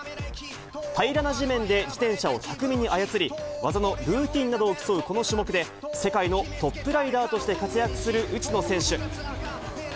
平らな地面で自転車を巧みに操り、技のルーティンなどを競うこの種目で、世界のトップライダーとして活躍する内野選手。